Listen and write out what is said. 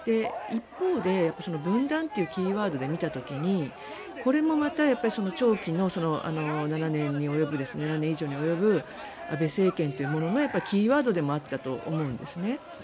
一方で分断というキーワードで見た時にこれもまた、長期の７年以上に及ぶ安倍政権というもののキーワードでもあったと思うんですね。